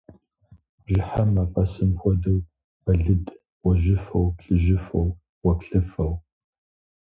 Бжьыхьэм, мафӀэсым хуэдэу, мэлыд гъуэжьыфэу, плъыжьыфэу, гъуэплъыфэу.